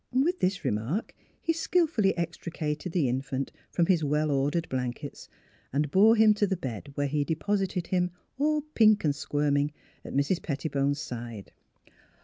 With this remark he skillfully extricated the infant from his well ordered blankets and bore him to the bed, where he deposited him, all pink and squirming, at Mrs. Pettibone's side.